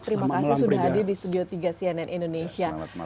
terima kasih sudah hadir di studio tiga cnn indonesia